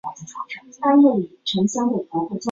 在南加州大学任职工程师及电力工程教授一职。